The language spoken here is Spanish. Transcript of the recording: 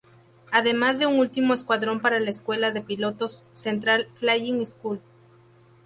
Además de un último escuadrón para la escuela de pilotos "Central Flying School".